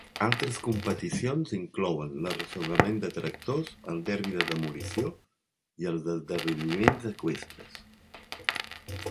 Altres competicions inclouen l'arrossegament de tractors, el derbi de demolició i els esdeveniments eqüestres.